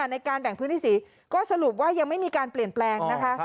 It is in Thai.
ในการแบ่งพื้นที่สีก็สรุปว่ายังไม่มีการเปลี่ยนแปลงนะคะ